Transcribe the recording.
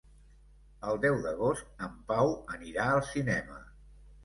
El deu d'agost en Pau anirà al cinema.